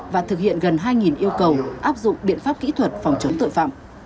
và thực hiện gần hai yêu cầu áp dụng biện pháp kỹ thuật phòng chống tội phạm